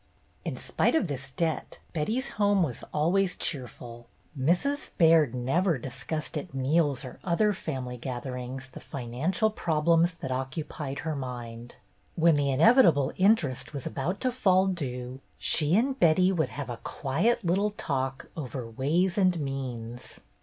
In spite of this debt, Betty's home was always cheerful. Mrs. Baird never discussed at meals or other family gatherings the financial problems that occupied her mind. When the inevitable interest was about to fall due, she and Betty would have a quiet little talk over ways and means.